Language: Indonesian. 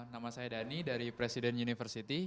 nama saya dhani dari presiden university